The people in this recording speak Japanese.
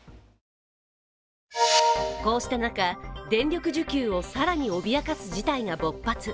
こうした中、電力需給を更に脅かす事態が勃発。